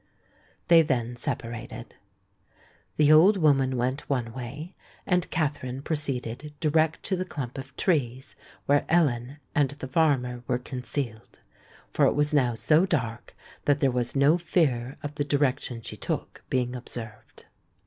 They then separated. The old woman went one way; and Katherine proceeded direct to the clump of trees where Ellen and the farmer were concealed;—for it was now so dark that there was no fear of the direction she took being observed.